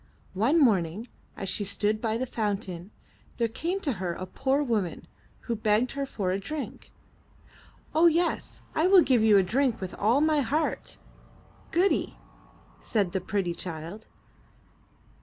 One morning as she stood by the fountain, there came to her a poor woman, who begged her for a drink. *'0h, yes, I will give you a drink with all my heart. Goody,'' said the pretty child.